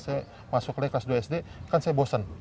saya masuk lagi kelas dua sd kan saya bosen